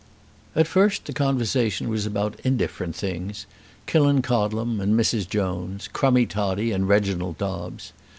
At first the conversation was about indifferent things, Killancodlem and Mrs. Jones, Crummie Toddie and Reginald Dobbes.